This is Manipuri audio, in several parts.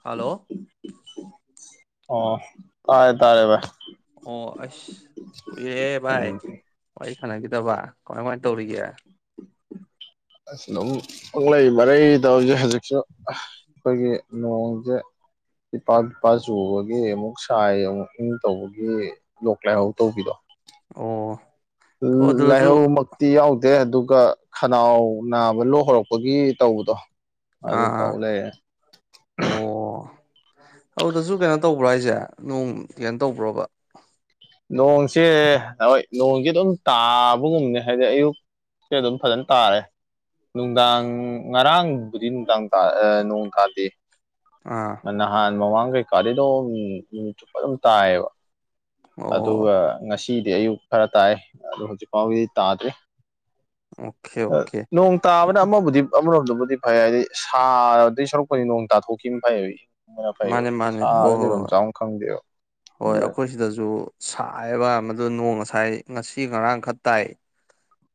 ꯍꯜꯂꯣ ꯑꯣ ꯇꯥꯔꯦ ꯇꯥꯔꯦ ꯚꯥꯏ ꯑꯣ ꯑꯩꯁ ꯀꯨꯏꯔꯦꯍꯦ ꯚꯥꯏ ꯋꯥꯔꯤ ꯁꯥꯟꯅꯈꯤꯗꯕ ꯀꯃꯥꯏ ꯀꯃꯥꯏ ꯇꯧꯔꯤꯒꯦ ꯑꯁ ꯑꯗꯨꯝ ꯄꯨꯡꯂꯩ ꯃꯔꯩ ꯇꯧꯔꯤ ꯍꯧꯖꯤꯛꯁꯨ ꯑꯈꯣꯏꯒꯤ ꯅꯣꯡꯁꯦ ꯄꯤꯠꯄꯥ ꯄꯤꯠꯄꯥ ꯆꯨꯕꯒꯤ ꯑꯃꯨꯛ ꯁꯥꯏ ꯑꯃꯨꯛ ꯢꯡ ꯇꯧꯕꯒꯤ ꯂꯣꯛ ꯂꯥꯏꯍꯧ ꯇꯧꯕꯤꯗꯣ ꯑꯣ ꯑꯣ ꯑꯗꯨꯗꯁꯨ ꯂꯥꯏꯍꯧ ꯃꯛ ꯇꯤ ꯌꯥꯎꯗꯦ ꯑꯗꯨꯒ ꯈꯅꯥꯎ ꯅꯥꯕ ꯂꯣꯛ ꯍꯧꯔꯛꯄꯒꯤ ꯇꯧꯕꯗꯣ ꯑꯗꯨ ꯑꯥ ꯑꯥ ꯇꯧ ꯂꯩꯔꯦ ꯑꯣ ꯑꯗꯨꯗꯁꯨ ꯀꯩꯅꯣ ꯇꯧꯕ꯭ꯔꯥ ꯍꯥꯏꯁꯦ ꯅꯣꯡ ꯀꯩꯅꯣ ꯇꯧꯕ꯭ꯔꯣꯕ ꯅꯣꯡꯁꯦ ꯍꯣꯏ ꯅꯣꯡꯖꯦ ꯑꯗꯨꯝ ꯇꯥꯕꯒꯨꯝꯅꯦ ꯍꯥꯏꯗꯤ ꯑꯌꯨꯛ ꯁꯦ ꯑꯗꯨꯝ ꯐꯖꯅ ꯇꯥꯔꯦ ꯅꯨꯡꯗꯥꯡ ꯉꯔꯥꯡꯕꯨꯗꯤ ꯅꯨꯡꯗꯥꯡ ꯇꯥ ꯑꯥ ꯅꯣꯡ ꯇꯥꯗꯦ ꯑꯥ ꯅꯍꯥꯟ ꯃꯃꯥꯡ ꯀꯩ ꯀꯥꯗꯤ ꯑꯗꯨꯝ ꯅꯨꯃꯤꯠ ꯆꯨꯞꯄ ꯑꯗꯨꯝ ꯇꯥꯏꯌꯦꯕ ꯑꯗꯨꯒ ꯑꯣ ꯉꯁꯤꯗꯤ ꯑꯌꯨꯛ ꯈꯔ ꯇꯥꯏ ꯑꯗꯨ ꯍꯧꯖꯤꯛ ꯐꯥꯎꯒꯤꯗꯤ ꯇꯥꯗ꯭ꯔꯤ ꯑꯣꯀꯦ ꯍꯣꯏ ꯑꯣꯀꯦ ꯅꯣꯡ ꯇꯥꯕꯅ ꯑꯃꯕꯨꯗꯤ ꯑꯃꯔꯣꯝꯗꯕꯨꯗꯤ ꯐꯩ ꯍꯥꯏꯗꯤ ꯁꯥꯗꯨꯏ ꯁꯔꯨꯛꯄꯨꯗꯤ ꯅꯣꯡ ꯇꯥꯊꯣꯛꯈꯤꯕꯅ ꯐꯩ ꯑꯗꯨꯅ ꯐꯩꯕ ꯃꯥꯅꯦ ꯃꯥꯅꯦ ꯍꯣꯏ ꯁꯥꯕꯖꯦ ꯂꯩꯕꯝ ꯆꯥꯕꯝ ꯈꯪꯗꯦꯕ ꯑꯗꯨꯏ ꯑꯁꯤꯗꯖꯨ ꯁꯥꯏꯕ ꯌꯥꯝ ꯑꯗꯨ ꯅꯣꯡ ꯉꯁꯥꯏ ꯉꯁꯤ ꯉꯔꯥꯡꯈꯛ ꯇꯥꯏ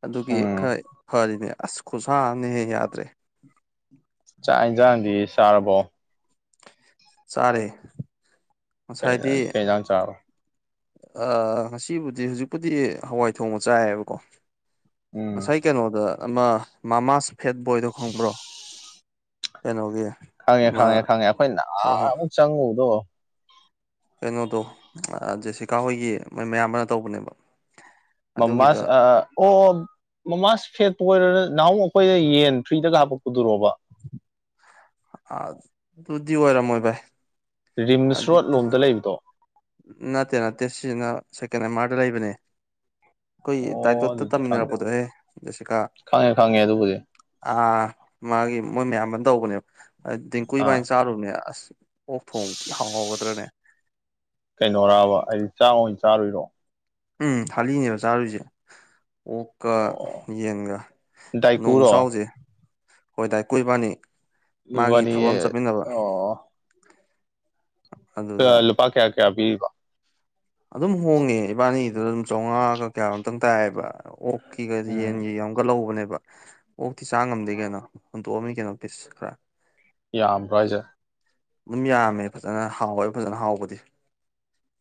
ꯑꯗꯨꯒꯤ ꯎꯝ ꯈꯔ ꯐꯔꯤꯅꯦ ꯑꯁ ꯈꯨꯁꯥꯑꯝꯅꯤꯍꯦ ꯌꯥꯗ꯭ꯔꯦ ꯆꯥꯛ ꯏꯟꯖꯥꯡꯗꯤ ꯆꯥꯔꯕꯣ ꯆꯥꯔꯦ ꯀꯩ ꯉꯁꯥꯏꯗꯤ ꯖꯥ ꯀꯩꯖꯥꯡ ꯆꯥꯔꯕꯥ ꯑꯥ ꯉꯁꯤꯕꯨꯗꯤ ꯍꯨꯖꯤꯛꯄꯨꯗꯤ ꯍꯋꯥꯏ ꯊꯣꯡꯕ ꯆꯥꯏꯌꯦꯕꯀꯣ ꯎꯝ ꯉꯁꯥꯏ ꯀꯩꯅꯣꯗ ꯑꯃ ꯃꯥꯃꯥꯁ ꯐꯦꯠ ꯕꯣꯏꯗꯣ ꯈꯪꯕ꯭ꯔꯣ ꯀꯩꯅꯣꯒꯤ ꯈꯪꯉꯦ ꯑꯃ ꯈꯪꯉꯦ ꯈꯪꯉꯦ ꯑꯩꯈꯣꯏ ꯍꯣꯏ ꯍꯣꯏ ꯅꯍꯥꯟ ꯃꯨꯛ ꯆꯪꯉꯨꯕꯗꯣ ꯀꯩꯅꯣꯗꯣ ꯑ ꯖꯦꯁꯤꯀꯥ ꯍꯣꯏꯒꯤ ꯃꯣꯏ ꯃꯌꯥꯝꯕꯅ ꯇꯧꯕꯅꯦꯕ ꯑꯗꯨꯒꯤꯗ ꯃꯝꯃꯥꯁ ꯑ ꯑ ꯑꯣ ꯃꯃꯥꯥꯁ ꯐꯦꯠ ꯄꯣꯏꯔ ꯅꯠ ꯅꯍꯥꯟꯃꯨꯛ ꯑꯩꯈꯣꯏꯗ ꯌꯦꯟ ꯐ꯭ꯔꯤꯗꯒ ꯍꯥꯞꯄꯛꯄꯗꯨꯔꯣꯕ ꯑ ꯑꯗꯨꯗꯤ ꯑꯣꯏꯔꯝꯃꯣꯏ ꯚꯥꯏ ꯔꯤꯝꯁ ꯔꯣꯗ ꯑꯗꯨꯗꯤ ꯂꯣꯝꯗ ꯂꯩꯕꯗꯣ ꯅꯠꯇꯦ ꯅꯠꯇꯦ ꯁꯤꯁꯤꯅ ꯁꯦꯀꯦꯟ ꯑꯦꯝ ꯃꯥꯔꯗ ꯂꯩꯕꯅꯦ ꯑꯩꯈꯣꯏꯒꯤ ꯇꯥꯏꯅꯤ ꯑꯣ ꯇꯣꯠꯇꯥ ꯑꯗꯨꯗꯤ ꯈꯪꯗꯦ ꯇꯝꯃꯤꯟꯅꯔꯛꯄꯗꯣꯍꯦ ꯖꯦꯁꯤꯀꯥ ꯈꯪꯉꯦ ꯈꯪꯉꯦ ꯑꯗꯨꯕꯨꯗꯤ ꯑꯥ ꯑꯥ ꯑꯥ ꯃꯥꯒꯤ ꯃꯣꯏ ꯃꯌꯥꯝ ꯕꯅ ꯇꯧꯕꯅꯦꯕ ꯇꯤꯡꯀꯨ ꯑꯥ ꯏꯕꯥꯅꯤ ꯆꯥꯔꯨꯕꯅꯦ ꯑꯁ ꯑꯣ ꯊꯣꯡ ꯊꯤ ꯍꯥꯎ ꯍꯧꯒꯗ꯭ꯔꯅꯦ ꯀꯩꯅꯣꯔꯥꯕ ꯍꯥꯏꯗꯤ ꯆꯥꯛ ꯑꯣꯏꯅ ꯆꯥꯔꯨꯏꯔꯣ ꯎꯝ ꯊꯥꯂꯤꯅꯦꯕ ꯆꯥꯔꯨꯏꯖꯦ ꯑꯣꯛꯀ ꯑꯣ ꯌꯦꯟꯒ ꯅꯣꯡꯃ ꯗꯥꯏꯀꯨꯔꯣ ꯆꯥꯎꯖꯦ ꯍꯣꯏ ꯗꯥꯏ ꯀꯨ ꯏꯕꯥꯅꯤ ꯃꯥꯒꯤ ꯅꯕꯥꯅꯤ ꯊꯕꯛ ꯑꯃ ꯆꯠꯃꯤꯟꯅꯕ ꯑꯣ ꯑꯗꯨꯗ ꯂꯨꯄꯥ ꯀꯌꯥ ꯀꯌꯥ ꯄꯤꯔꯤꯕꯥ ꯑꯗꯨꯝ ꯍꯣꯡꯉꯦ ꯏꯕꯥꯅꯤꯒꯤꯗꯣ ꯑꯗꯨꯝ ꯆꯧꯉꯥꯒ ꯀꯌꯥ ꯅꯣꯝꯇꯪ ꯇꯥꯏꯌꯦꯕ ꯑꯣꯛꯀꯤꯒꯗꯤ ꯎꯝ ꯌꯦꯟꯒꯤ ꯑꯝꯒ ꯂꯧꯕꯅꯦꯕ ꯑꯣꯛꯇꯤ ꯆꯥ ꯉꯝꯗꯦ ꯀꯩꯅꯣ ꯍꯨꯟꯇꯣꯛꯑꯝꯅꯤ ꯀꯩꯅꯣ ꯄꯤꯁ ꯈꯔ ꯌꯥꯝꯕ꯭ꯔꯥ ꯍꯥꯏꯖꯦ ꯑꯗꯨꯝ ꯌꯥꯝꯃꯦ ꯐꯖꯅ ꯍꯥꯎꯋꯦ ꯐꯖꯅ ꯍꯥꯎꯕꯗꯤ꯫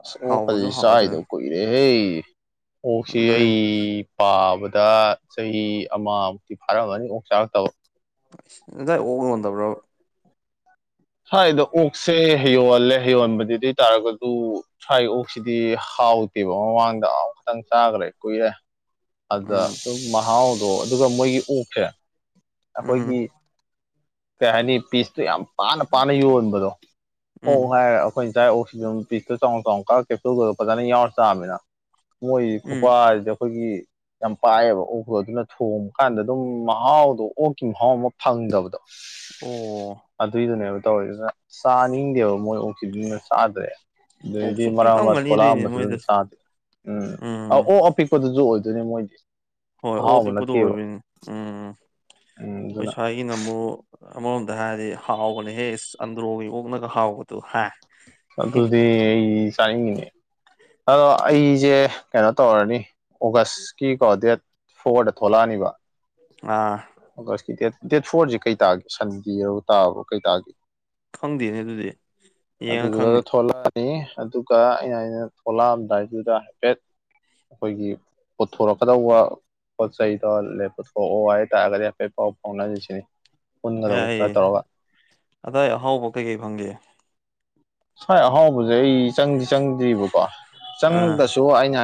ꯑꯁ ꯑꯣꯛ ꯍꯥꯎꯕꯁꯨ ꯀꯁꯤ ꯍꯥꯎꯋꯦ ꯐꯖꯅ ꯆꯥꯈꯤꯗꯕ ꯀꯨꯏꯔꯦꯍꯦ ꯑꯣꯛꯁꯤ ꯑꯗꯨꯅꯦ ꯑꯩ ꯄꯥꯕꯗ ꯆꯍꯤ ꯑꯃꯃꯨꯛꯇꯤ ꯐꯥꯔꯝꯃꯅꯤ ꯑꯣꯛ ꯆꯥꯔꯛꯇꯕ꯫ ꯑꯗꯥꯏ ꯑꯣꯛ ꯂꯣꯟꯗꯕ꯭ꯔꯣ꯫ ꯁ꯭ꯋꯥꯏꯗ ꯑꯣꯛꯁꯦ ꯍ ꯌꯣꯜꯂꯦ ꯍ ꯌꯣꯟꯕꯗꯤꯗꯤ ꯇꯥꯥꯔꯒ ꯑꯗꯨ ꯁ꯭ꯋꯥꯏ ꯑꯣꯛꯁꯤꯗꯤ ꯍꯥꯎꯇꯦꯕ ꯃꯃꯥꯡꯗ ꯑꯃꯈꯛꯇꯪ ꯆꯥꯈ꯭ꯔꯦ ꯀꯨꯏꯔꯦ꯫ ꯑꯗꯨꯗ ꯎꯝ ꯁꯨꯝ ꯃꯍꯥꯎꯗꯣ ꯑꯗꯨꯒ ꯃꯣꯏꯒꯤ ꯑꯣꯛꯁꯦ ꯎꯝ ꯑꯈꯣꯏꯒꯤ ꯀꯩ ꯍꯥꯏꯅꯤ ꯄꯤꯁꯇꯣ ꯌꯥꯝ ꯄꯥꯅ ꯄꯥꯅ ꯌꯣꯟꯕꯗꯣ ꯎꯝ ꯑꯣꯛ ꯍꯥꯏꯔ ꯑ ꯑꯩꯈꯣꯏꯅ ꯆꯥꯏ ꯑꯣꯛꯁꯤ ꯑꯗꯨꯝ ꯄꯤꯁꯇꯣ ꯆꯥꯎ ꯆꯥꯎꯅ ꯀꯦꯞꯁꯨꯜꯒꯥꯗꯨ ꯐꯖꯅ ꯌꯥꯎꯔ ꯆꯥꯕꯅꯤꯅ ꯃꯣꯏꯒꯤ ꯎꯝ ꯈꯨꯄꯥꯖꯤꯗꯤ ꯑꯈꯣꯏꯒꯤ ꯌꯥꯝ ꯄꯥꯏꯌꯦꯕ ꯑꯣꯛꯇꯨ ꯑꯗꯨꯅ ꯊꯣꯡꯕ ꯀꯥꯟꯗ ꯑꯗꯨꯝ ꯃꯍꯥꯎꯗꯣ ꯑꯣꯛꯀꯤ ꯃꯍꯥꯎ ꯑꯃ ꯐꯪꯗꯕꯗꯣ ꯑꯣ ꯑꯗꯨꯏꯗꯨꯅꯦꯕ ꯇꯧꯋꯦ ꯑꯗꯨꯅ ꯆꯥꯅꯤꯡꯗꯦꯕ ꯃꯣꯏ ꯑꯣꯛꯁꯤꯗꯨꯅ ꯆꯥꯗ꯭ꯔꯦ꯫ ꯑꯗꯩꯗꯤ ꯑꯣꯛꯁꯨ ꯃꯔꯥꯛ ꯑꯃ ꯄꯤꯛꯂꯝꯒꯅꯤ ꯊꯣꯛꯂꯛ ꯑꯗꯨꯏꯅꯦ ꯑꯝꯕꯁꯨ ꯑꯗꯨꯝ ꯃꯣꯏꯗꯁꯨ ꯆꯥꯗꯦ ꯎꯝ ꯑꯣꯛ ꯑꯄꯤꯛ [unintelligible] ꯄꯗꯨꯁꯨ ꯑꯣꯏꯗꯣꯏꯅꯦ ꯃꯣꯏꯗꯤ꯫ ꯍꯣꯏ ꯑꯣ ꯑꯍꯥꯎꯕ ꯑꯄꯤꯛꯄꯗꯨ ꯅꯠꯇꯦꯕ ꯑꯣꯏꯕꯣꯏꯅꯤ ꯎꯝ ꯎꯝ ꯎꯝ ꯑꯈꯣꯏ ꯑꯗꯨꯅ ꯁ꯭ꯋꯥꯏ ꯑꯩ [unintelligible] ꯑꯃꯔꯣꯝꯗ ꯍꯥꯏꯔꯗꯤ ꯍꯥꯎꯕꯅꯦꯍꯦ ꯑꯟꯗ꯭ꯔꯣꯒꯤ ꯑꯣꯛꯅꯒ ꯍꯥꯎꯕꯗꯨ ꯍꯥꯏ ꯑꯗꯨꯗꯤ ꯑꯩ ꯆꯥꯅꯤꯡꯉꯤꯅꯦ꯫ ꯑꯗꯣ ꯑꯩꯁꯦ ꯀꯩꯅꯣ ꯇꯧꯔꯅꯤ ꯑꯣꯒꯁꯀꯤꯀꯣ ꯗꯦꯠ ꯐꯣꯔꯗ ꯊꯣꯛꯂꯛꯑꯅꯤꯕ꯫ ꯑꯥ ꯑꯣꯒꯁꯀꯤ ꯗꯦꯠ ꯗꯦꯠ ꯐꯣꯔꯁꯦ ꯀꯩ ꯇꯥꯒꯦ ꯁꯟꯗꯦ ꯇꯥꯕ꯭ꯔ ꯀꯩ ꯇꯥꯒꯦ꯫ ꯈꯪꯗꯦꯅꯦ ꯑꯗꯨꯗꯤ ꯑ ꯌꯦꯡꯉ ꯑꯗꯨꯗ ꯈꯪꯅꯤ ꯊꯣꯛꯂꯛ [unintelligible] ꯑꯗꯨꯒ ꯑꯩꯅ ꯍꯥꯏꯁꯤꯅ ꯊꯣꯛꯂꯛꯑꯝꯗꯥꯏꯗꯨꯗ ꯍꯥꯏꯐꯦꯠ ꯑꯈꯣꯏꯒꯤ ꯄꯨꯊꯣꯔꯛꯀꯗꯧꯕ ꯄꯣꯠ ꯆꯩꯗꯣ ꯄꯨꯊꯣꯛꯑꯣ ꯍꯥꯏꯇꯥꯔꯒꯗꯤ ꯍꯥꯏꯐꯦꯠ ꯄꯥꯎ ꯐꯥꯎꯅꯔꯤꯁꯤꯅꯤ꯫ ꯌꯥꯏꯌꯦ ꯑꯗꯥꯏꯋꯥꯏ ꯑꯍꯥꯎꯕ ꯀꯩ-ꯀꯩ ꯐꯪꯒꯦ꯫ ꯁꯥꯋꯏ ꯑꯍꯥꯎꯕꯁꯦ ꯑꯩ ꯆꯪꯗꯤ ꯆꯪꯗ꯭ꯔꯤꯕꯀꯣ ꯑꯥ ꯆꯪꯗꯁꯨ ꯁꯣ ꯑꯩꯅ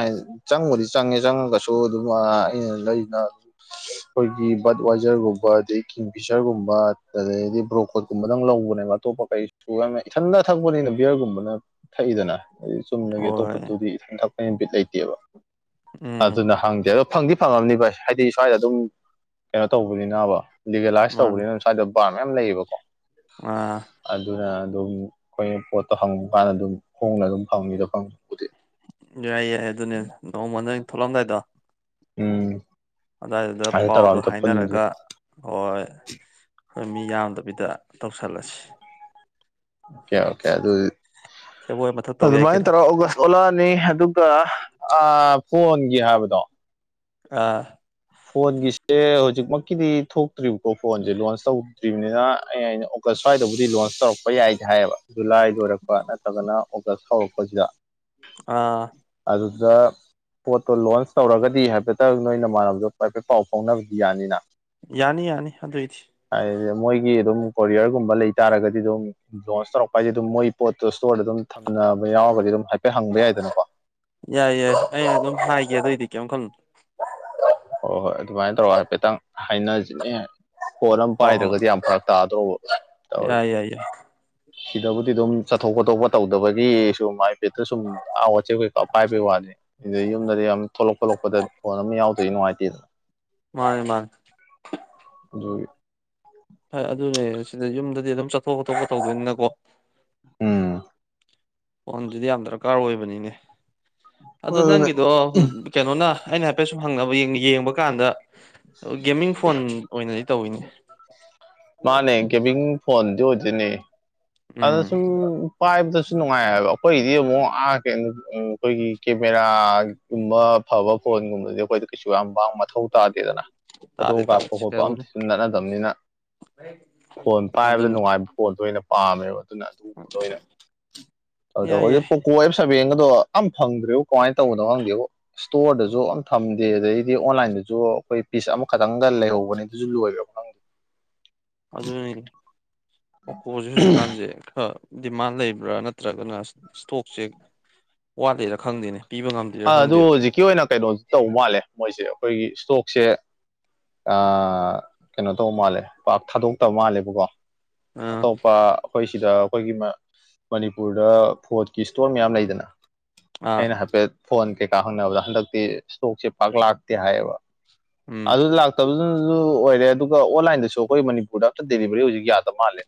ꯆꯪꯕꯗꯤ ꯆꯪꯉꯦ ꯆꯪꯉꯒꯁꯨ ꯑꯗꯨꯝ ꯑꯩꯅ ꯂꯩꯅ ꯑꯩꯈꯣꯏꯒꯤ ꯕꯔꯠ ꯋꯥꯖꯔꯒꯨꯝꯕ ꯑꯗꯗꯒꯤ ꯀꯤꯡ ꯐꯤꯁꯔꯒꯨꯝꯕ ꯑꯗꯩꯗꯤ ꯕ꯭ꯔꯣꯀꯣꯠ ꯀꯨꯝꯕꯗꯪ ꯂꯧꯕꯅꯦꯕ꯫ ꯑꯇꯣꯞꯄ ꯀꯩꯁꯨ ꯌꯥꯝ ꯏꯊꯟꯅ ꯊꯛꯄꯅꯤꯅ ꯕꯤꯌꯔꯒꯨꯝꯕꯅ ꯊꯛꯏꯗꯅ ꯍꯥꯏ ꯆꯨꯝꯅꯒꯤ ꯍꯣꯏ ꯑꯇꯣꯞꯄꯗꯨꯗꯤ꯫ ꯊꯛꯄ ꯕꯤꯠ ꯂꯩꯇꯦꯕ ꯎꯝ ꯑꯗꯨꯅ ꯍꯪꯗꯦꯔ꯫ ꯐꯪꯗꯤ ꯐꯪꯉꯝꯅꯤ ꯚꯥꯏ ꯍꯥꯏꯗꯤ ꯁ꯭ꯋꯥꯏꯗ ꯑꯗꯨꯝ ꯀꯩꯅꯣ ꯇꯧꯕꯅꯤꯅꯕ ꯂꯤꯒꯦꯂꯥꯏꯁ ꯃꯥꯅꯤ ꯇꯧꯕꯅꯤꯅ꯫ ꯁꯨꯋꯥꯏꯗ ꯚꯔ ꯃꯌꯥꯝ ꯂꯩꯌꯦꯕꯀꯣ ꯑꯥ ꯑꯗꯨꯅ ꯑꯗꯨꯝ ꯑꯩꯈꯣꯏꯅ ꯄꯣꯠꯇꯣ ꯍꯪꯀꯥꯟꯗ ꯑꯗꯨꯝ ꯍꯣꯡꯅ ꯑꯗꯨꯝ ꯐꯪꯉꯤꯗꯣ ꯐꯪ꯫ ꯌꯥꯏ ꯌꯥꯏ ꯑꯗꯨꯅꯦ ꯅꯣꯡꯃ ꯅꯪ ꯊꯣꯛꯂꯛꯂꯝꯗꯥꯏꯗꯣ ꯎꯝ ꯑꯗꯨ ꯋꯥꯏꯗꯨꯗ ꯑꯗꯨ ꯇꯧꯔ ꯄꯥꯎꯗꯣ ꯑꯝꯇ ꯄꯨꯟꯁꯦ ꯍꯥꯏꯅꯔꯒ ꯍꯣꯏ ꯑꯈꯣꯏ ꯃꯤ ꯌꯥꯝꯗꯕꯤꯗ ꯇꯧꯁꯜꯂꯁꯤ꯫ ꯀꯦꯌꯥ ꯀꯦꯌꯥ ꯑꯣꯏꯗꯣꯏ ꯁꯦꯕꯣꯠ ꯃꯊꯛ ꯇꯧ ꯌꯥꯏ ꯑꯗꯨꯃꯥꯏꯅ ꯀꯩꯅꯣ ꯇꯧꯔ ꯑꯧꯒꯁ ꯊꯣꯛꯂꯛꯑꯅꯤ ꯑꯗꯨꯒ ꯑꯥ ꯐꯣꯟꯒꯤ ꯍꯥꯏꯕꯗꯣ ꯑꯥ ꯐꯣꯟꯒꯤꯁꯦ ꯍꯧꯖꯤꯛꯃꯛꯀꯤꯗꯤ ꯊꯣꯛꯇ꯭ꯔꯤꯕꯀꯣ ꯐꯣꯟꯁꯦ ꯂꯣꯟꯁ ꯇꯧꯗ꯭ꯔꯤꯕꯅꯤꯅ ꯑꯩ ꯍꯥꯏꯅ ꯑꯣꯒꯁ ꯁ꯭ꯨꯋꯥꯏꯗꯕꯨꯗꯤ ꯂꯣꯟꯁ ꯇꯧꯔꯛꯄ ꯌꯥꯏꯗ ꯍꯥꯏꯌꯦꯕ ꯖꯨꯂꯥꯏ ꯂꯣꯏꯔꯛꯄ ꯅꯠꯇ꯭ꯔꯒꯅ ꯑꯣꯒꯁ ꯍꯧꯔꯛꯄꯁꯤꯗ ꯑꯥ ꯑꯗꯨꯗ ꯄꯣꯠꯇꯣ ꯂꯣꯟꯁ ꯇꯧꯔꯒꯗꯤ ꯍꯥꯏꯐꯦꯠꯇꯪ ꯅꯣꯏꯅꯃꯥꯟꯅꯕꯗꯨ [unintelligible] ꯍꯥꯏꯐꯦꯠ ꯄꯥꯎ ꯐꯥꯎꯅꯕꯗꯤ ꯌꯥꯅꯤꯅ꯫ ꯌꯥꯅꯤ ꯌꯥꯅꯤ ꯑꯗꯨꯏꯗꯤ꯫ ꯍꯥꯏꯗꯤ ꯃꯣꯏꯒꯤ ꯑꯗꯨꯝ ꯀꯣꯔꯤꯌꯔꯒꯨꯝꯕ ꯂꯩꯇꯥꯥꯔꯒꯗꯤ ꯑꯗꯨꯝ ꯂꯣꯟꯁ ꯇꯧꯔꯛꯄ ꯍꯥꯏꯁꯦ ꯑꯗꯨꯝ ꯃꯣꯏ ꯄꯣꯠꯇꯣ ꯏꯁ꯭ꯇꯣꯔꯗ ꯑꯗꯨꯝ ꯊꯝꯅꯕ ꯌꯥꯎꯔꯒꯗꯤ ꯑꯗꯨꯝ ꯍꯥꯏꯐꯦꯠ ꯍꯪꯕ ꯌꯥꯏꯗꯅꯀꯣ ꯌꯥꯏ ꯌꯥꯏ ꯑꯩꯅ ꯑꯗꯨꯝ ꯍꯥꯏꯒꯦ ꯑꯗꯨꯑꯣꯏꯗꯤ ꯀꯩꯝ ꯈꯜꯂꯨ ꯍꯣꯏ ꯍꯣꯏ ꯑꯗꯨꯃꯥꯏꯅ ꯇꯧꯔꯒ ꯍꯥꯏꯐꯦꯠꯇꯪ ꯍꯥꯏꯅꯁꯤꯅꯦ ꯄꯣꯠ ꯑꯃ ꯍꯣꯏ ꯍꯣꯏ ꯄꯥꯏꯗ꯭ꯔꯒꯗꯤ ꯌꯥꯝ ꯐꯔꯛ ꯇꯥꯗꯧꯕ ꯇꯧꯋ ꯌꯥ ꯌꯥꯏ ꯁꯤꯗꯕꯨꯗꯤ ꯑꯗꯨꯝ ꯆꯠꯊꯣꯛ ꯈꯣꯊꯣꯛꯄ ꯇꯧꯗꯕꯒꯤ ꯁꯨꯝ ꯍꯥꯏꯐꯦꯠꯇ ꯁꯨꯝ ꯑꯥ ꯋꯥꯠꯆꯦ ꯀꯀ ꯄꯥꯏꯕꯩ ꯋꯥꯅꯤ ꯑꯗꯨꯗ ꯌꯨꯝꯗꯗꯤ ꯌꯥꯝ ꯊꯣꯛꯂꯛꯄꯗ ꯐꯣꯟ ꯑꯃ ꯌꯥꯎꯗꯔꯗꯤ ꯅꯨꯡꯉꯥꯏꯇꯦꯗꯅ꯫ ꯃꯥꯅꯦ ꯃꯥꯅꯦ [unintelligible] ꯍꯣꯏ ꯑꯗꯨꯅꯦ ꯁꯤꯗ ꯌꯨꯝꯗꯗꯤ ꯑꯗꯨꯝ ꯆꯠꯊꯣꯛ ꯈꯊꯣꯛꯄ ꯇꯧꯗꯣꯏꯅꯤꯅꯀꯣ꯫ ꯎꯝ ꯐꯣꯟꯗꯨꯗꯤ ꯌꯥꯝ ꯗꯔꯀꯥꯔ ꯑꯣꯏꯕꯅꯤꯅꯦ ꯑꯗꯨ ꯑꯗꯨꯅꯦ ꯅꯪꯒꯤꯗꯣ ꯀꯩꯅꯣꯅ ꯑꯩꯅ ꯍꯥꯏꯐꯦꯠ ꯁꯨꯝ ꯍꯪꯅꯕ ꯌꯦꯡꯕ ꯀꯥꯟꯗ ꯒꯦꯃꯤꯡ ꯐꯣꯟ ꯑꯣꯏꯅꯗꯤ ꯇꯧꯋꯤꯅꯦ ꯃꯥꯅꯦ ꯒꯦꯕꯤꯡ ꯐꯣꯟꯗꯨ ꯑꯣꯏꯗꯣꯏꯅꯦ ꯑꯗ ꯎꯝ ꯁꯨꯝ ꯄꯥꯏꯕꯗꯁꯨ ꯅꯨꯡꯉꯥꯏ ꯍꯥꯏꯕ ꯑꯩꯈꯣꯏꯗꯤ ꯑꯃꯨꯛ ꯑ ꯀꯔꯤꯅꯣ ꯑꯩꯈꯣꯏꯒꯤ ꯀꯦꯃꯦꯔꯥꯒꯨꯝꯕ ꯐꯕ ꯐꯣꯟꯒꯨꯝꯕꯗꯤ ꯑꯩꯈꯣꯏꯗ ꯀꯩꯁꯨ ꯌꯥꯝ ꯋꯥꯡꯕ ꯃꯊꯧ ꯇꯥꯗꯦꯗꯅ ꯐꯣꯇꯣ ꯇꯥꯗꯦ ꯀꯥꯞꯄ ꯈꯣꯠꯄ ꯑꯝꯇꯁꯨ ꯅꯠꯅꯗꯕꯅꯤꯅ ꯍ ꯐꯣꯟ ꯄꯥꯏꯕꯗ ꯅꯨꯡꯉꯥꯏꯕ ꯐꯣꯟꯗꯣ ꯑꯣꯏꯅ ꯄꯥꯝꯃꯦꯕ ꯑꯗꯨꯅ ꯅꯣꯏꯅꯥ ꯑꯗꯣ ꯌꯥꯏ ꯍꯧꯖꯤꯛ ꯌꯥꯏ ꯄꯣꯀꯣ ꯑꯦꯞ ꯁꯥꯕꯦꯟꯒꯗꯣ ꯑ ꯐꯪꯗ꯭ꯦꯕ ꯀꯃꯥꯏꯅ ꯇꯧꯕꯅꯣ ꯈꯪꯗꯦ ꯏꯁꯇꯣꯔꯗꯁꯨ ꯑꯃꯝ ꯊꯝꯗꯦ ꯑꯗꯩꯗꯤ ꯑꯣꯟꯂꯥꯏꯟꯗꯁꯨ ꯑꯩꯈꯣꯏ ꯄꯤꯁ ꯑꯃꯈꯛꯇꯪꯒ ꯂꯩꯍꯧꯕꯅꯦ ꯑꯗꯨꯁꯨ ꯂꯣꯏ ꯑꯗꯨꯅꯤꯅꯦ ꯐꯣꯟꯁꯦ ꯍꯧꯖꯤꯛꯀꯥꯟꯁꯦ ꯈꯔ ꯗꯤꯃꯥꯟ ꯂꯩꯕ꯭ꯔꯥ ꯅꯠꯇ꯭ꯔꯒꯅ ꯏꯁ꯭ꯇꯣꯛꯁꯦ ꯋꯥꯠꯂꯤꯔꯥ ꯈꯪꯗꯦꯅꯦ ꯄꯤꯕ ꯉꯝ ꯑꯗꯨꯣ ꯍꯧꯖꯤꯛꯀꯤ ꯑꯣꯏꯅ ꯀꯩꯅꯣꯁꯨ ꯇꯧꯕ ꯃꯥꯜꯂꯦ ꯃꯣꯏꯁꯦ ꯑꯩꯈꯣꯏꯒꯤ ꯏꯁꯇꯣꯛꯁꯦ ꯑ ꯀꯩꯅꯣ ꯇꯧꯕ ꯃꯥꯜꯂꯦ ꯄꯥꯛ ꯊꯥꯗꯣꯛꯇꯕ ꯃꯥꯜꯂꯦꯕꯀꯣ ꯑꯥ ꯑꯇꯣꯞꯄ ꯑꯩꯈꯣꯏ ꯁꯤꯗ ꯑꯩꯈꯣꯏꯒꯤ ꯃꯅꯤꯄꯨꯔꯗ ꯐꯨꯠꯀꯤ ꯏꯁꯇꯣꯔ ꯃꯌꯥꯝ ꯂꯩꯗꯅ ꯑꯥ ꯑꯩꯅ ꯍꯥꯏꯐꯦꯠ ꯐꯣꯟ ꯀꯩꯀꯥ ꯈꯪꯅꯕꯗ ꯍꯟꯗꯛꯇꯤ ꯏꯁꯇꯣꯛꯁꯦ ꯄꯥꯛ ꯂꯥꯛꯇꯦ ꯍꯥꯏꯌꯦꯕ ꯎꯝ ꯑꯗꯨꯅꯥ ꯇꯥꯕꯗꯨꯅꯁꯨ ꯑꯣꯏꯔꯦ ꯑꯗꯨꯒ ꯑꯣꯟꯂꯥꯏꯟꯗꯁꯨ ꯑꯩꯈꯣꯏ ꯃꯅꯤꯄꯨꯔꯗ ꯑꯝꯛꯇ ꯗꯦꯂꯤꯕꯔꯤ ꯑꯣꯏꯁꯨꯛ ꯌꯥꯗꯕ ꯃꯥꯜꯂꯦ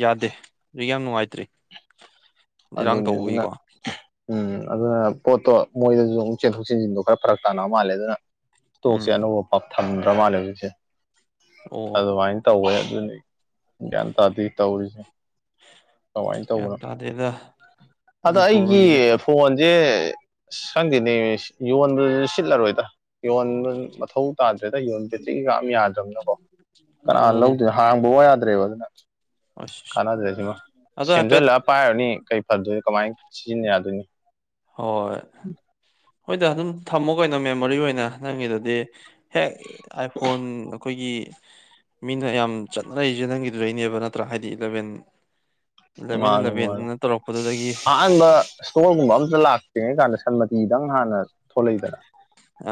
ꯌꯥꯗꯦ ꯍꯧꯖꯤꯛ ꯌꯥꯝ ꯅꯨꯡꯉꯥꯏꯇ꯭ꯔꯤ ꯏꯔꯥꯡ ꯑꯗꯨꯅꯤ ꯑꯗꯨꯅ ꯇꯧꯕꯒꯤꯀꯣ ꯎꯝ ꯑꯗꯨꯅ ꯄꯣꯠꯇꯣ ꯃꯣꯏꯗꯁꯨ ꯍꯆꯦꯟ ꯊꯣꯛꯆꯤꯟꯁꯤꯟꯗꯣ ꯈꯔ ꯐꯔꯛ ꯇꯥꯅꯕ ꯃꯥꯜꯂꯦ ꯑꯗꯨꯅ ꯇꯣꯛꯁꯦ ꯎꯝ ꯑꯅꯧꯕ ꯄ ꯊꯝꯗ꯭ꯔ ꯃꯥꯜꯂꯦ ꯍꯧꯖꯤꯛꯁꯦ ꯑꯣ ꯑꯗꯨꯃꯥꯏꯅ ꯇꯧꯋꯦ ꯑꯗꯨꯅꯤ ꯒ꯭ꯌꯥꯟ ꯇꯥꯗꯦ ꯇꯧꯔꯤꯁꯦ ꯀꯃꯥꯏꯅ ꯒ꯭ꯌꯥꯟ ꯇꯧꯕꯅꯣ ꯇꯥꯗꯦꯗ ꯑꯗ ꯑꯩꯒꯤ ꯃꯅꯤꯄꯨꯔꯒꯤꯁꯦ ꯐꯣꯟꯁꯦ ꯈꯪꯗꯦꯅꯦ ꯌꯣꯟꯕꯗꯁꯨ ꯁꯤꯠꯂꯔꯣꯏꯗ ꯌꯣꯟꯕ ꯃꯊꯧ ꯇꯥꯗ꯭ꯔꯦꯗ ꯌꯣꯟ ꯕꯦꯇꯔꯤꯒ ꯎꯝ ꯌꯥꯗ꯭ꯔꯝꯅꯤꯅꯀꯣ ꯀꯅꯥ ꯎꯝ ꯂꯧꯗꯣꯏꯅꯣ ꯍꯥꯡꯕ ꯕꯥꯑꯣ ꯌꯥꯗ꯭ꯔꯦꯕ ꯑꯗꯨꯅ ꯀꯥꯟꯅꯗ꯭ꯔꯦ ꯁꯤꯃ [unintelligible] ꯍꯥꯏꯐꯦꯠ ꯁꯦꯝꯖꯤꯜꯂ ꯄꯥꯏꯔꯨꯅꯤ ꯀꯩ ꯐꯗꯣꯏꯅꯣ ꯀꯃꯥꯏꯅ ꯁꯤꯖꯤꯟꯅ ꯌꯥꯗꯣꯏꯅꯤ ꯍꯣꯏ ꯍꯣꯏꯗ ꯑꯗꯨꯝ ꯊꯝꯃꯣ ꯀꯩꯅꯣ ꯃꯦꯃꯣꯔꯤ ꯑꯣꯏꯅ ꯅꯪꯒꯤꯗꯗꯤ ꯍꯦꯛ ꯑꯥꯏꯐꯣꯟ ꯑꯩꯈꯣꯏꯒꯤ ꯃꯤꯅ ꯌꯥꯝ ꯆꯠꯅꯔꯛꯏꯁꯦ ꯅꯪꯒꯤꯗꯨꯗꯩꯅꯦꯕ ꯅꯠꯇ꯭ꯔꯥ ꯍꯥꯏꯗꯤ ꯏꯂꯕꯦꯟ ꯃꯥꯅꯤ ꯃꯥꯅꯤ ꯇꯧꯔꯛꯄꯗꯨꯗꯒꯤ ꯑꯍꯟꯕ ꯏꯁꯇꯣꯔꯒꯨꯝꯕ ꯑꯝꯇ ꯂꯥꯛꯇ꯭ꯔꯤꯉꯩ ꯀꯥꯟꯗ ꯁꯟꯃꯇꯤꯗꯪ ꯍꯥꯟꯅ ꯊꯣꯛꯂꯛꯏꯗꯅ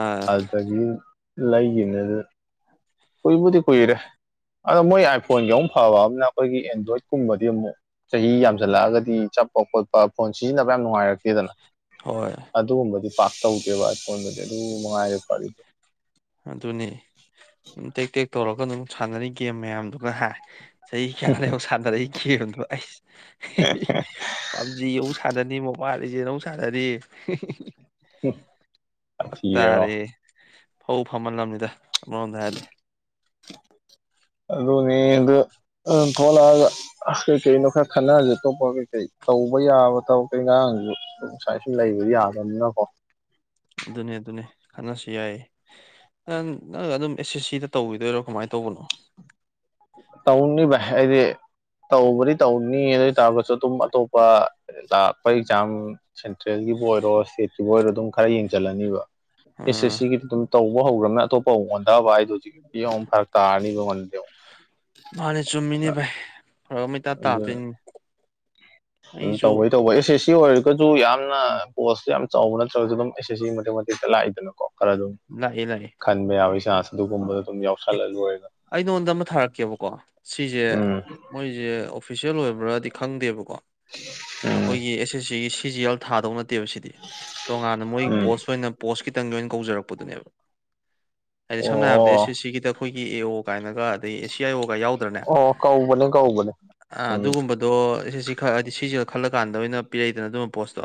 ꯑꯥ ꯑꯗꯨꯗꯒꯤ ꯂꯩꯈꯤꯕꯅꯦ ꯑꯗꯨ ꯀꯨꯏꯕꯨꯗꯤ ꯀꯨꯏꯔꯦ ꯑꯗꯣ ꯃꯣꯏ ꯑꯥꯏꯐꯣꯟꯒꯤ ꯑꯃꯨꯛ ꯐꯕ ꯑꯃꯅ ꯑꯩꯈꯣꯏꯒꯤ ꯑꯦꯟꯗ꯭ꯔꯣꯏꯗꯀꯨꯝꯕꯗꯤ ꯑꯃꯨꯛ ꯆꯍꯤ ꯌꯥꯝꯁꯜꯂꯛꯑꯒꯗꯤ ꯆꯠꯄ ꯈꯣꯠꯄ ꯐꯣꯟ ꯁꯤꯖꯤꯟꯅꯕ ꯌꯥꯝ ꯅꯨꯡꯉꯥꯏꯔꯛꯇꯦꯗꯅ ꯍꯣꯏ ꯑꯗꯨꯒꯨꯝꯕꯗꯤ ꯄꯥꯛ ꯇꯧꯗꯦꯕ ꯑꯩ ꯐꯣꯟꯗꯗꯤ ꯑꯗꯨꯝ ꯅꯨꯡꯉꯥꯏꯔꯦ ꯐ ꯑꯗꯨꯅꯦ ꯇꯦꯛ ꯇꯦꯛ ꯇꯧꯔꯒ ꯑꯗꯨꯝ ꯁꯥꯟꯅꯔꯤ ꯒꯦꯝ ꯃꯌꯥꯝꯗꯨꯒ ꯍꯥ ꯆꯍꯤ ꯈꯌꯥꯩꯅꯣ ꯁꯥꯟꯅꯔꯛꯏ ꯀꯦꯝꯗꯣ ꯑꯩꯁ ꯄꯥꯞꯖꯤ ꯑꯃꯨꯛ ꯁꯥꯟꯅꯅꯤ ꯃꯣꯕꯥꯢ ꯂꯤꯖꯦꯟ ꯑꯃꯨꯛ ꯁꯥꯟꯅꯔꯤ ꯊꯔꯀꯣ [inaudible] ꯐꯕꯨ ꯐꯃꯥꯜꯂꯝꯅꯤꯗ ꯑꯃꯔꯣꯝꯗ ꯍꯥꯏꯔꯗꯤ ꯑꯗꯨꯅꯤ ꯑꯥꯗꯨ ꯇꯣꯂꯛꯑꯥꯒ ꯑꯁ ꯀꯩꯀꯩꯅꯣ ꯈꯔ ꯈꯟꯅꯔꯁꯦ ꯑꯇꯣꯞꯄ ꯀꯩꯀꯩ ꯇꯧꯕ ꯌꯥꯕ ꯊꯕꯛ ꯏꯟꯓꯥꯪ ꯁꯨꯃꯥꯏ ꯁꯨꯝ ꯂꯩꯕ ꯌꯥꯗꯅꯤꯅꯀꯣ ꯑꯗꯨꯅꯤ ꯑꯗꯨꯅꯤ ꯈꯟꯅꯁꯤ ꯌꯥꯏꯌꯦ ꯅꯪ ꯅꯪ ꯑꯗꯨꯝ ꯑꯦꯁ ꯑꯦꯁ ꯁꯤꯗ ꯇꯧꯤꯗꯣꯏꯔꯣ ꯀꯃꯥꯏꯅ ꯇꯧꯕꯅꯣ ꯇꯧꯅꯤ ꯚꯥꯏ ꯍꯥꯏꯗꯤ ꯇꯧꯕꯗꯤ ꯇꯧꯅꯤ ꯑꯗꯨ ꯑꯣꯏ ꯇꯔꯒꯁꯨ ꯑꯗꯨꯝ ꯑꯇꯣꯞꯄ ꯂꯥꯛꯄ ꯑꯦꯛꯖꯥꯝ ꯁꯦꯟꯇ꯭ꯔꯦꯜꯒꯤꯕꯨ ꯑꯣꯏꯔꯣ ꯈꯤꯕ ꯑꯣꯏꯔꯣ ꯑꯗꯨꯝ ꯈꯔ ꯌꯦꯡꯁꯤꯜꯂꯅꯤꯕ ꯑꯦꯁꯦ ꯑꯥ ꯁꯤꯒꯤꯗꯤ ꯑꯗꯨꯝ ꯇꯧꯕ ꯍꯧ꯭ꯔꯕꯅ ꯑꯇꯣꯞꯄ ꯑꯃ ꯑꯣꯟꯗꯕ ꯍꯥꯏꯗꯨꯗꯤ ꯍꯧꯖꯤꯛꯇꯤ ꯑꯃꯨꯛ ꯐꯔꯛ ꯇꯥꯔꯥꯅꯤ ꯃꯥꯅꯦ ꯆꯨꯝꯃꯤꯅꯦ ꯚꯥꯢ ꯐꯔꯛ ꯑꯃ ꯢꯇꯥ ꯇꯗꯨꯢꯅꯦ ꯎꯝ ꯇꯧꯗꯩꯗꯣ ꯇꯧꯕ ꯑꯦꯁ ꯑꯦꯁ ꯁꯤ ꯑꯣꯏꯔꯒꯁꯨ ꯌꯥꯝꯅ ꯄꯣꯁꯇꯨ ꯌꯥꯝꯅ ꯆꯥꯎꯕ ꯅꯠꯇ꯭ꯔꯒꯁꯨ ꯑꯗꯨꯝ ꯑꯦꯁ ꯑꯦꯁ ꯁꯤ ꯃꯇꯦꯛ ꯃꯇꯦꯛꯇ ꯂꯥꯛꯏꯗꯅꯀꯣ ꯈꯔ ꯑꯗꯨꯝ ꯂꯥꯛꯑꯦ ꯂꯥꯛꯑꯦ ꯈꯟꯕ ꯌꯗꯩ ꯆꯥꯟꯁꯇ ꯑꯗꯨꯒꯨꯝꯕ ꯑꯦ ꯑꯩ ꯅꯉꯣꯟꯗ ꯑꯃ ꯊꯥꯔꯛꯀꯦꯕꯀꯣ ꯁꯤꯁꯦ ꯎꯝ ꯃꯣꯏꯁꯦ ꯑꯣꯐꯤꯁꯦꯜ ꯑꯣꯏꯕ꯭ꯔꯥꯗꯤ ꯈꯪꯗꯦꯕꯀꯣ ꯎꯝ ꯑꯩꯈꯣꯏꯒꯤ ꯑꯦꯁ S C C G L ꯊꯥꯗꯧꯅ ꯅꯠꯇꯦꯕ ꯁꯤꯗꯤ ꯇꯣꯉꯥꯟꯅ ꯃꯣꯏ ꯎꯝ ꯄꯣꯁ ꯑꯣꯏꯅ ꯄꯣꯁ ꯈꯤꯇꯪꯒꯤ ꯑꯣꯏꯅ ꯀꯧꯖꯔꯛꯄꯗꯨꯅꯦꯕ ꯑꯣ ꯁꯝꯅ ꯍꯥꯏꯔꯕꯗ ꯑꯦꯁ ꯑꯦꯁ ꯑꯣ ꯁꯤꯒꯤꯗ ꯑꯩꯈꯣꯏꯒꯤ ꯑꯦ ꯑꯣ ꯀꯥꯏꯅ ꯑꯗꯩ ꯑꯦꯌꯥ ꯌꯥꯎꯗ꯭ꯔꯅꯦ ꯑꯣ ꯀꯧꯕꯅꯦ ꯀꯧꯕꯅꯦ ꯎꯝ ꯑꯗꯨꯒꯨꯝꯕ ꯑꯗꯣ ꯑꯦꯁ ꯑꯦꯁ ꯁꯤ ꯈꯥꯛ ꯍꯥꯏꯗꯤ ꯑꯦꯁ ꯑꯦꯁ ꯁꯤꯒ ꯈꯜꯂ ꯀꯥꯟꯗ ꯑꯣꯏꯅ ꯄꯤꯔꯛꯏꯗꯅ ꯑꯗꯨꯝꯕ ꯄꯣꯁꯇꯣ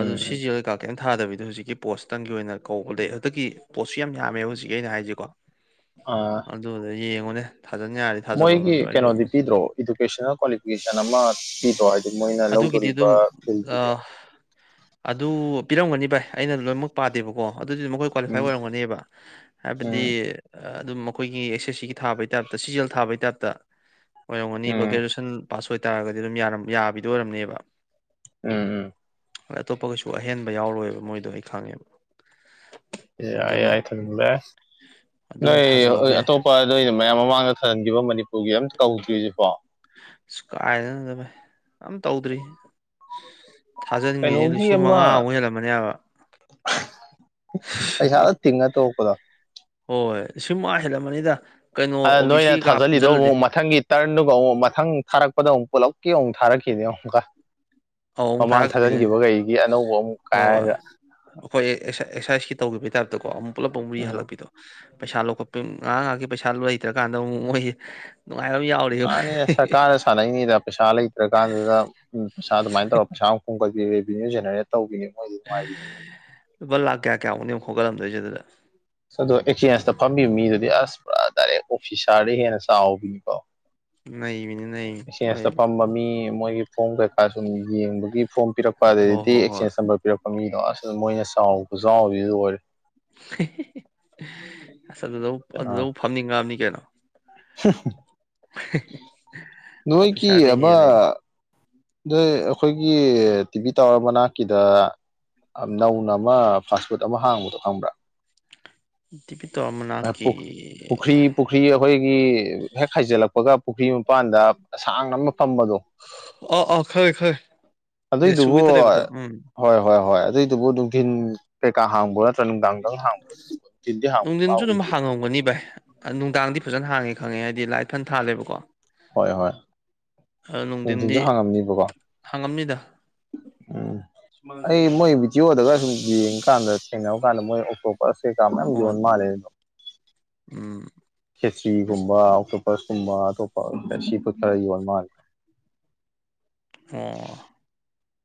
ꯑꯗꯨ ꯑꯦꯁ ꯎꯝ ꯑꯦꯁ ꯁꯤꯒ ꯀꯩꯝ ꯊꯥꯗꯕꯤꯗꯣ ꯍꯧꯖꯤꯛꯀꯤ ꯄꯣꯠꯁꯇꯪꯒꯤ ꯑꯣꯏꯅ ꯀꯧꯕ ꯂꯩ ꯍꯟꯗꯛꯀꯤ ꯄꯣꯠꯁꯨ ꯌꯥꯝꯃꯦꯕ ꯍꯧꯖꯤꯛꯀꯤ ꯑꯩꯅ ꯍꯥꯏꯁꯤꯀꯣ ꯑꯥ ꯑꯗꯨꯗ ꯌꯦꯡꯉꯨꯅꯦ ꯊꯥꯖꯟ ꯌꯥꯔꯤꯕ ꯃꯣꯏꯒꯤ ꯀꯩꯅꯣꯗꯤ ꯄꯤꯗ꯭ꯔꯣ ꯏꯗꯨꯀꯦꯁꯅꯦꯜ ꯀ꯭ꯋꯥꯂꯤꯐꯤꯀꯦꯁꯟ ꯑꯃ ꯄꯤꯗꯣ ꯍꯥꯏꯗꯤ ꯃꯣꯏꯅ ꯑꯗꯨꯒꯤꯗꯤ ꯂꯧꯗꯣꯔꯤꯕ ꯑꯗꯨꯝ ꯐꯤꯜꯗꯨꯒꯤ ꯑꯥ ꯑꯗꯨ ꯄꯤꯔꯝꯒꯅꯤ ꯚꯥꯏ ꯑꯩꯅ ꯂꯣꯏꯅꯃꯛ ꯄꯥꯗꯦꯕꯀꯣ ꯀꯣ ꯑꯗꯨꯗꯤ ꯑꯈꯣꯏ ꯀ꯭ꯋꯥꯂꯤꯐꯥꯏ ꯎꯝ ꯑꯣꯏꯔꯝꯒꯅꯦꯕ ꯍꯥꯏꯕꯗꯤ ꯎꯝ ꯑꯗꯨꯝ ꯑꯈꯣꯏꯒꯤ ꯑꯦꯁ ꯑꯦꯁ ꯁꯤꯒꯤ ꯊꯥꯕꯩ ꯇꯥꯏꯞꯇ ꯁꯤ ꯖꯤ ꯌꯦꯟ ꯊꯥꯕꯩ ꯇꯥꯏꯞꯇ ꯑꯣꯏꯔꯝꯒꯅꯤꯕ ꯎꯝ ꯒ꯭ꯔꯦꯖꯨꯑꯦꯁꯟ ꯄꯥꯁ ꯑꯣꯏꯇꯥꯔꯒꯗꯤ ꯑꯗꯨꯝ ꯌꯥꯕꯤꯗ ꯑꯣꯏꯔꯝꯅꯦꯕ ꯎꯝ ꯎꯝ ꯑꯇꯣꯞꯄ ꯒꯩꯁꯨ ꯑꯍꯦꯟꯕ ꯌꯥꯎꯔꯣꯏꯕ ꯃꯣꯏꯗꯣ ꯑꯩ ꯈꯪꯉꯦꯕ ꯌꯥꯏ ꯑꯗꯨꯅ ꯌꯥꯏ ꯊꯥꯖꯤꯟꯕ ꯑꯗꯨꯝ ꯅꯣꯏ ꯊꯥꯖꯤꯜꯍꯧꯕ ꯌꯥꯏ ꯑꯇꯣꯞꯄ ꯑꯗꯨꯣ ꯃꯌꯥꯝ ꯃꯃꯥꯡꯗ ꯊꯥꯖꯤꯟꯈꯤꯕ ꯃꯅꯤꯄꯨꯔꯒꯤ ꯑꯝ ꯀꯧꯗ꯭ꯔꯤꯁꯤꯕꯣ ꯀꯥꯏꯗꯩꯅꯣꯗ ꯚꯥꯢ ꯑꯝ ꯇꯧꯗ꯭ꯔꯤ ꯊꯥꯖꯤꯟꯈ꯭ꯔꯁꯦ ꯀꯩꯅꯣꯒꯤ ꯂꯤꯁꯤꯡ ꯑꯃ ꯃꯉꯥ ꯑꯛ ꯍꯜꯂꯝꯃꯅꯦ ꯍꯥꯏꯕ ꯄꯩꯁꯥꯗ ꯇꯤꯡꯉ ꯇꯣꯛꯄꯗꯣ ꯍꯣꯏ ꯂꯤꯁꯤꯡ ꯃꯉꯥ ꯍꯦꯜꯂꯝꯃꯅꯤꯗ ꯀꯩꯅꯣ ꯑꯣ ꯕꯤ ꯅꯣꯏꯅ ꯁꯤ ꯀꯥ ꯊꯥꯖꯤꯜꯂꯤꯗꯣ ꯄꯨꯟꯁꯤꯜꯂꯗꯤ ꯑꯃꯨꯛ ꯃꯊꯪꯒꯤ ꯇꯔꯟꯗꯨꯒ ꯑꯃꯨꯛ ꯃꯊꯪ ꯊꯥꯔꯛꯄꯗ ꯑꯃꯨꯛ ꯄꯨꯂꯞꯀꯤ ꯑꯃꯨꯛ ꯊꯥꯔꯛꯈꯤꯅꯦ ꯑꯃꯨꯛꯀ ꯑꯃꯨꯛ ꯃꯃꯥꯡ ꯊꯥꯔꯛꯈꯤꯗꯣꯢꯅꯦ ꯊꯥꯖꯤꯟꯈꯤꯕꯈꯩꯒꯤ ꯑꯅꯧꯕ ꯑꯃꯨꯛ ꯍꯣꯏ ꯀꯥꯏꯔꯒ ꯑꯩꯈꯣꯏ ꯑꯦꯛꯁꯔꯁꯥꯏꯁꯀꯤ ꯇꯧꯈꯤꯕꯒꯤ ꯇꯥꯏꯞꯇꯀꯣ ꯑꯃꯨꯛ ꯄꯨꯂꯞ ꯑꯃꯨꯛ ꯔꯤ ꯎꯝ ꯍꯜꯂꯛꯄꯤꯗꯣ ꯄꯩꯁꯥ ꯂꯧꯈꯠ ꯉꯍꯥꯛ ꯉꯍꯥꯛꯀꯤ ꯄꯩꯁꯥ ꯂꯩꯇ꯭ꯔꯀꯥꯟꯗ ꯑꯃꯨꯛ ꯃꯣꯏ ꯅꯨꯡꯉꯥꯏꯕ ꯑꯃ ꯌꯥꯎꯔꯤ ꯃꯣꯢ ꯃꯥꯅꯦ ꯁꯔꯀꯥꯔꯅ ꯁꯥꯟꯅꯩꯅꯤꯗ ꯄꯩꯁꯥ ꯂꯩꯇ꯭ꯔꯀꯥꯟꯗꯨꯗ ꯄꯩꯁꯥ ꯑꯗꯨꯃꯥꯏꯅ ꯇꯧꯔꯒ ꯄꯩꯁꯥ ꯑꯃ ꯈꯣꯝꯒꯠꯈꯤꯅꯤ ꯔꯦꯚꯤꯅꯤꯌꯨ ꯁꯦꯟꯇꯔ ꯇꯧꯕꯤꯅꯦ ꯃꯣꯏꯗꯤ ꯅꯨꯡꯉꯥꯏꯕꯤꯅꯤ ꯂꯨꯄꯥ ꯂꯥꯛ ꯀꯌꯥ ꯀꯌꯥꯃꯨꯛꯅꯣ ꯈꯣꯠꯂꯝꯗꯣꯏꯁꯦ ꯑꯗꯨꯗ ꯑ ꯑꯗꯣ ꯑꯦꯛꯆꯦꯟꯁꯇ ꯐꯝꯕꯤꯕ ꯃꯤꯗꯨꯗꯤ ꯑꯁ ꯄꯨꯔꯥ ꯗꯥꯏꯔꯦꯛ ꯑꯣꯐꯤꯁꯥꯔꯗꯒꯤ ꯍꯦꯟꯅ ꯆꯥꯎꯕꯤꯅꯤꯀꯣ ꯅꯩꯕꯤꯕꯦ ꯅꯩ꯫ ꯃꯣꯏ ꯑꯦꯛꯆꯦꯟꯁꯇ ꯐꯝꯕ ꯃꯤ ꯃꯣꯏꯒꯤ ꯐꯣꯝ ꯀꯩꯀꯥ ꯁꯨꯝ ꯌꯦꯡꯕꯒꯤ ꯐꯣꯝ ꯄꯤꯔꯛꯄ ꯍꯣꯏ ꯑꯗꯩꯗꯤ ꯍꯣꯏ ꯍꯣꯏ ꯑꯦꯛꯆꯦꯟꯁ ꯅꯝꯕꯔ ꯄꯤꯔꯛꯄ ꯃꯤꯗꯣ ꯑꯁ ꯃꯣꯏꯅ ꯆꯥꯎꯕ ꯈꯨꯆꯥꯎ ꯁꯤꯗꯤ ꯂ‌ꯣꯏꯔꯦꯍ‌ꯦ ꯑꯁ ꯑꯗꯨꯗ ꯑꯗꯨꯗ ꯑꯥ ꯐꯝꯅꯤꯡꯉꯝꯅꯤ ꯀꯩꯅꯣ ꯅꯣꯏꯒꯤ ꯑꯣꯐꯤꯁꯥꯔꯗꯤ ꯑꯃ ꯍꯦꯜꯂꯦ ꯅꯣꯏ ꯑꯩꯈꯣꯏꯒꯤ ꯇꯤꯚꯤ ꯇꯥꯋꯔ ꯃꯅꯥꯛꯀꯤꯗ ꯅꯧꯅ ꯑꯃ ꯐꯥꯁ ꯐꯨꯗ ꯑꯃ ꯍꯥꯡꯕꯗꯣ ꯈꯪꯕ꯭ꯔꯥ ꯗꯤꯄꯤꯀ‌ꯣ ꯃꯅꯥꯛꯀꯤ ꯄꯨꯈ꯭ꯔꯤ ꯄꯨꯈ꯭ꯔꯤ ꯑꯩꯈꯣꯏꯒꯤ ꯍꯦꯛ ꯍꯥꯏꯖꯤꯜꯂꯛꯄꯒ ꯄꯨꯈ꯭ꯔꯤ ꯃꯄꯥꯟꯗ ꯁꯥꯡꯅ ꯑꯃ ꯐꯝꯕꯗꯣ ꯑꯣ ꯑꯣ ꯈꯪꯉ‌ꯦ ꯈꯪꯉ‌ꯦ ꯑꯗꯨꯏꯗꯨꯕꯨ ꯅ‌ꯦꯁꯨꯒꯤꯗ ꯂꯩꯕꯗ‌ꯣ ꯎꯝ ꯍꯣꯏ ꯍꯣꯏ ꯍꯣꯏ ꯑꯗꯨꯏꯗꯨꯕꯨ ꯅꯨꯡꯊꯤꯟ ꯀꯩꯀꯥ ꯍꯥꯡꯕ꯭ꯔꯥ ꯅꯨꯡꯗꯥꯡ ꯗꯪ ꯍꯥꯡꯕꯔꯣ ꯅꯨꯡꯊꯤꯜꯗꯤ ꯍꯥꯡꯕꯥ ꯄꯥꯛ ꯅꯨꯡꯊꯤꯟꯁꯨ ꯑꯗꯨꯝ ꯎꯗꯦ ꯍꯥꯡꯉꯝꯒꯅꯤ ꯕꯥꯏ ꯑꯥ ꯅꯨꯡꯗꯥꯡꯗꯤ ꯐꯖꯅ ꯍꯥꯡꯉꯦ ꯈꯪꯉꯦ ꯍꯥꯏꯗꯤ ꯊꯟ ꯊꯥꯜꯂꯦꯕꯀꯣ ꯍꯣꯏ ꯍꯣꯏ ꯑ ꯅꯨꯡꯊꯤꯟꯗꯤ ꯅꯨꯡꯊꯤꯟꯁꯨ ꯍꯥꯡꯉꯝꯅꯤꯕꯀꯣ ꯍꯥꯡꯉꯝꯅꯤꯗ ꯎꯝ ꯑꯩ ꯃꯣꯏ ꯕꯤꯗꯤꯑꯣꯗꯒ ꯑꯗꯨꯝ ꯌꯦꯡꯀꯥꯟꯗ ꯊꯦꯡꯅꯕ ꯀꯥꯟꯗ ꯃꯣꯏ ꯑꯣꯛꯇ‌ꯣ ꯄꯠꯁ ꯀꯩꯀ ꯃꯌꯥꯝ‌ ꯍꯣꯏ ꯌ‌ꯣꯟ ꯃꯥꯜꯂ‌ꯦꯀ‌ꯣ ꯎꯝ ꯈꯦꯆꯤꯒꯨꯝꯕ ꯑꯣꯛꯇꯣꯄꯠꯁꯀꯨꯝꯕ ꯑꯇꯣꯞꯄ ꯁꯤꯐꯣꯠ ꯈꯔ ꯌꯣꯜ ꯃꯥꯜꯂꯦ ꯑꯣ